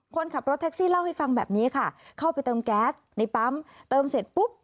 คนขับรถแท็กซี่เล่าให้ฟังแบบนี้ค่ะเข้าไปเติมแก๊สในปั๊มเติมเสร็จปุ๊บ